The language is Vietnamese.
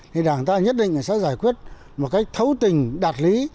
thì đảng ta nhất định là sẽ giải quyết một cách thấu tình đạt lý